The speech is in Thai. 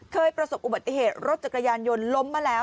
ประสบอุบัติเหตุรถจักรยานยนต์ล้มมาแล้ว